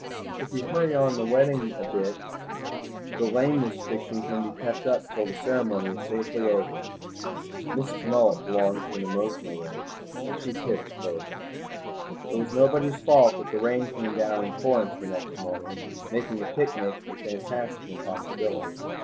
If you hurry on the wedding a bit the lameness fiction can be kept up till the ceremony is safely over." Mrs. Mullet belonged to an emotional race, and she kissed Clovis. It was nobody's fault that the rain came down in torrents the next morning, making a picnic a fantastic impossibility.